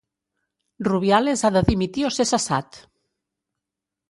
Rubiales ha de dimitir o ser cessat!